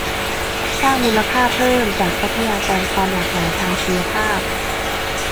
สร้างมูลค่าเพิ่มจากทรัพยากรความหลากหลายทางชีวภาพ